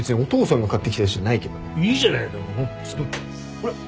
ほら。